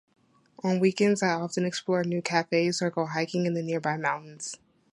On weekends, I often explore new cafes or go hiking in the nearby mountains.